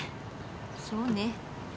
そうね。